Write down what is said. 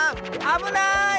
あぶない！